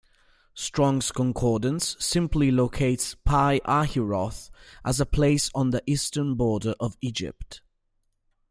Strong's Concordance simply locates Pi-Hahiroth as 'a place on the eastern border of Egypt'.